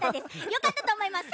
よかったとおもいます。